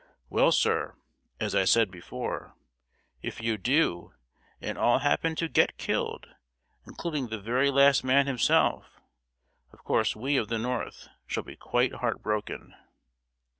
"Well, sir, as I said before, if you do, and all happen to get killed, including the very last man himself, of course we of the North shall be quite heart broken!"